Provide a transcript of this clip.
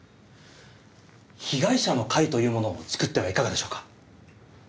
「被害者の会」というものをつくってはいかがでしょうか？